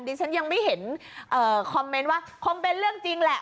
ดิฉันยังไม่เห็นคอมเมนต์ว่าคงเป็นเรื่องจริงแหละ